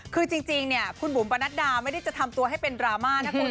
คือจริงเนี่ยคุณบุ๋มปนัดดาไม่ได้จะทำตัวให้เป็นดราม่านะคุณ